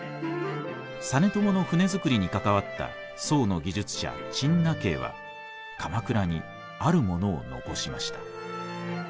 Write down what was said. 実朝の船づくりに関わった宋の技術者陳和は鎌倉にあるものを残しました。